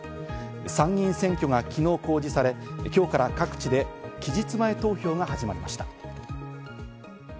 参議院選挙が昨日公示され、今日から各地で期日前投票が始まりました。